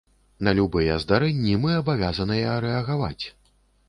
На любыя здарэнні мы абавязаныя рэагаваць.